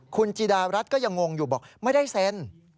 คุณจิดารัฐก็ยังงงอยู่บอกไม่ได้เซ็น